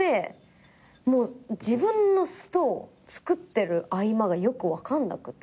もう自分の素と作ってる合間がよく分かんなくて。